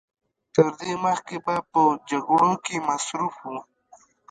تر دې مخکې به په جګړو کې مصروف و.